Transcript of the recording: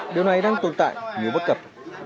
điều này đang tồn tại nhiều bất cập